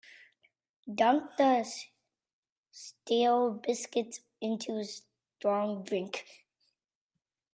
Dunk the stale biscuits into strong drink.